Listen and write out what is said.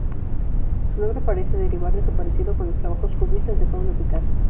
Su nombre parece derivar de su parecido con los trabajos cubistas de Pablo Picasso.